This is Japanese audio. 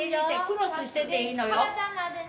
クロスしてていいのよ。